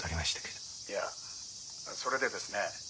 「いやそれでですね